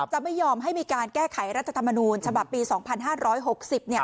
จะไม่ยอมให้มีการแก้ไขรัฐธรรมนูญฉบับปี๒๕๖๐เนี่ย